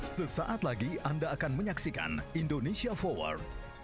sesaat lagi anda akan menyaksikan indonesia forward